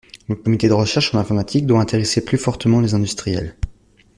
Le Comité de recherche en informatique doit intéresser plus fortement les industriels.